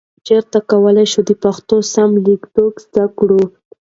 چیرته کولای شو د پښتو سم لیکدود زده کړو؟